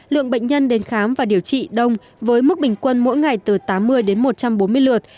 lượng bệnh nhân đến khám và điều trị đông với mức bình quân mỗi ngày từ tám mươi đến một trăm bốn mươi lượt